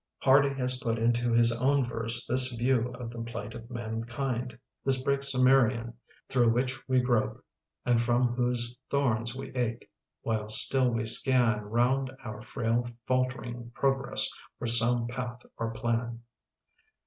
Hardy has put into his own verse this view of the plight of mankind : this brake Cimmerian Through which we grope, and from whose thorns we ache. While still we scan Round oar fraU faltering progress for some path or plan.